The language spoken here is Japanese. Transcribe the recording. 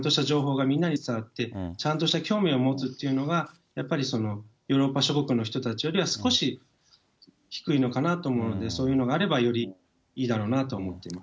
なのでそういう意味で、日本ではちゃんとしたみんなに伝わってちゃんとした興味を持つというのが、やっぱりそのヨーロッパ諸国の人たちよりは少し低いのかなと思うので、そういうのがあればよりいいだろうなと思ってます。